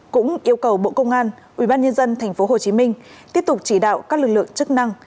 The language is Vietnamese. cũng yêu cầu bộ công an ubnd tp hcm tiếp tục chỉ đạo các lực lượng chức năng